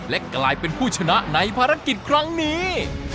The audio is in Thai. และกลายเป็นผู้ชนะในภารกิจครั้งนี้